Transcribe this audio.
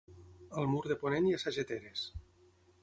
Al mur de ponent hi ha sageteres.